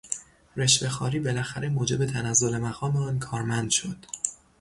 رشوهخواری بالاخره موجب تنزل مقام آن کارمند شد.